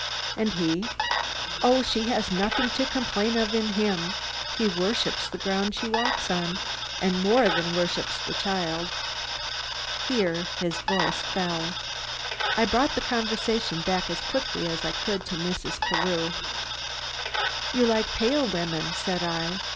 "And he?" "Oh, she has nothing to complain of in him. He worships the ground she walks on; and he more than worshiped the child." Here his voice fell. I brought the conversation back as quickly as I could to Mrs. Carew. "You like pale women," said I.